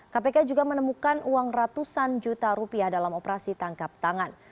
kpk juga menemukan uang ratusan juta rupiah dalam operasi tangkap tangan